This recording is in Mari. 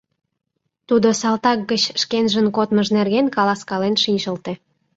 Тудо салтак гыч шкенжын кодмыж нерген каласкален шинчылте.